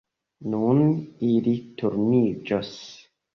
Nun ili turniĝos.